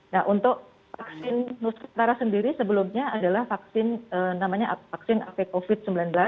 nah untuk vaksin nusantara sendiri sebelumnya adalah vaksin namanya vaksin ape covid sembilan belas